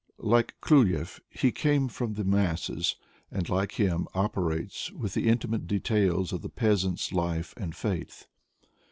Like Kluyev, he came from the masses, and, like him, operates with the intimate details of the peasant's life and faith.